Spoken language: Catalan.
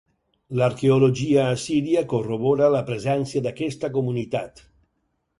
L'arqueologia a Síria corrobora la presència d'aquesta comunitat.